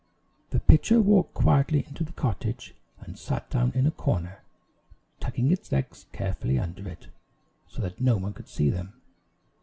The pitcher walked quietly into the cottage, and sat down in a corner, tucking its legs carefully under it, so that no one could see them.